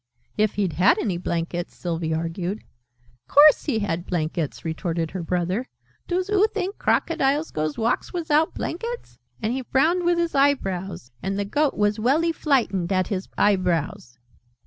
"If he'd had any blankets," Sylvie argued. "Course he had blankets!" retorted her brother. "Doos oo think Crocodiles goes walks wizout blankets? And he frowned with his eyebrows. And the Goat was welly flightened at his eyebrows!"